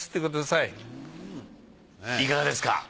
いかがですか？